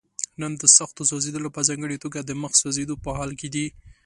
نن د سختو سوځېدلو په ځانګړي توګه د مخ سوځېدو په حال کې دي.